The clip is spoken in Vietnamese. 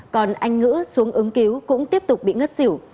còn anh ngữ xuống ứng cứu cũng tiếp tục bị ngất xỉu